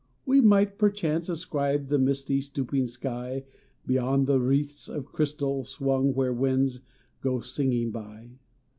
we might perchance ascribe The misty, stooping sky Beyond the wreaths of crystal Swung where winds go singing by.